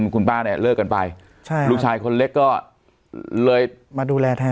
คุณป้าเนี่ยเลิกกันไปใช่ลูกชายคนเล็กก็เลยมาดูแลแทน